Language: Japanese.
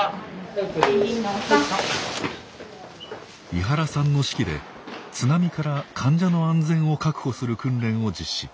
１２の３！井原さんの指揮で津波から患者の安全を確保する訓練を実施。